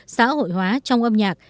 xã hội hóa trong âm nhạc